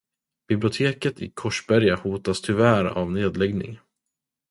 Biblioteket i Korsberga hotas tyvärr av nedläggning.